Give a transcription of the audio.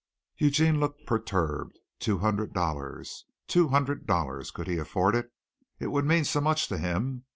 Eugene looked perturbed. Two hundred dollars! Two hundred dollars! Could he afford it? It would mean so much to him.